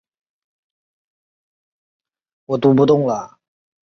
现时已经合并为首尔交通公社一部分。